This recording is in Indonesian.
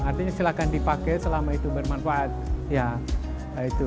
artinya silakan dipakai selama itu bermanfaat